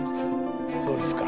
そうですか？